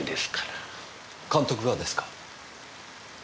監督がですか？